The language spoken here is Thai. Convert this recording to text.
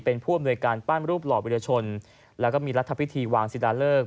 เป็นผู้อำนวยการปั้นรูปหล่อวิทยาชนแล้วก็มีรัฐพิธีวางสิดาเลิก